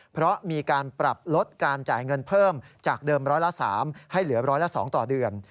เพราะมีการปรับลดการจ่ายเงินเพิ่มจากเดิมร้อยละ๓ให้เหลือร้อยละ๒ต่อเดือน